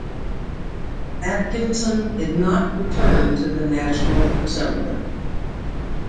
Atkinson did not return to the National Assembly.